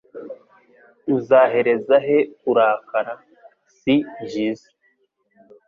uzahereza he kurakara si byiza